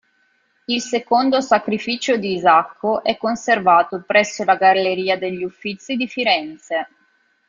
Il secondo "Sacrificio di Isacco" è conservato presso la Galleria degli Uffizi di Firenze.